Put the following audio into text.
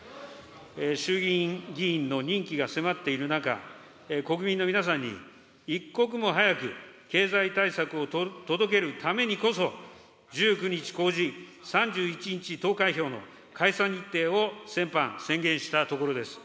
衆議院議員の任期が迫っている中、国民の皆さんに一刻も早く経済対策を届けるためにこそ、１９日公示、３１日投開票の解散日程を先般、宣言したところです。